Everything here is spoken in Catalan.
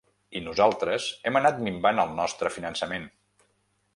I nosaltres hem anat minvant els nostre finançament.